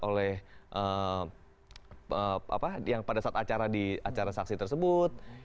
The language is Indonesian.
oleh apa yang pada saat acara di acara saksi tersebut